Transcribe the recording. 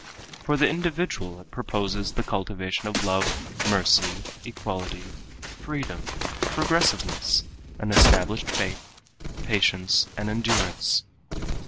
For the individual it proposes the cultivation of love, mercy, equality, freedom, progressiveness, an established faith, patience and endurance.